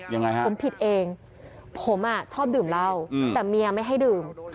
ยังไงฮะผมผิดเองผมอ่ะชอบดื่มเหล้าแต่เมียไม่ให้ดื่ม